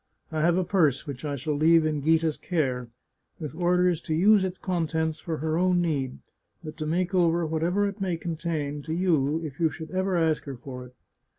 I have a purse which I shall leave in Ghita's care, with orders to use its contents for her own need, but to make over whatever it may contain to you, if you should ever ask her for it.